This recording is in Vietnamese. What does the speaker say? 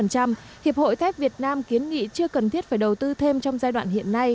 hiệp hội thép việt nam kiến nghị chưa cần thiết phải đầu tư thêm trong giai đoạn hiện nay